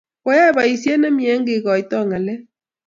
koyai boisie ne mye eng' kekoitoi ng'alek.